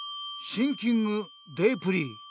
シンキングデープリー。